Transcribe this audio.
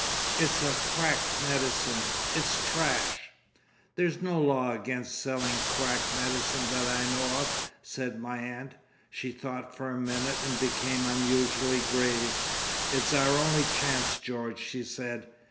It's a quack medicine. It's trash." "There's no law against selling quack medicine that I know of," said my aunt. She thought for a minute and became unusually grave. "It's our only chance, George," she said.